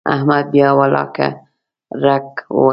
احمد بیا ولاکه رګ ووهي.